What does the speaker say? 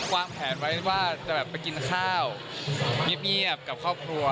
วางแผนไว้ว่าจะแบบไปกินข้าวเงียบกับครอบครัว